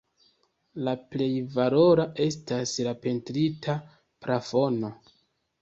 La plej valora estas la pentrita plafono.